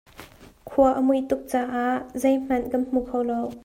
Khua a muih tuk caah zeihmanh kan hmu kho lo.